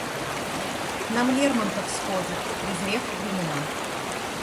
К нам Лермонтов сходит, презрев времена.